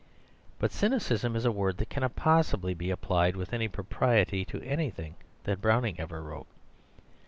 But cynicism is a word that cannot possibly be applied with any propriety to anything that Browning ever wrote.